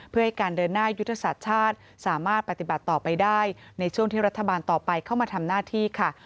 เพื่อให้การเดินหน้ายุทธศาสตร์ชาติสามารถปฏิบัติต่อไปได้ในช่วงที่รัฐบาลต่อไปเข้ามาทำหน้าที่ค่ะ